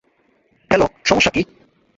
Hello, সমস্যা কী?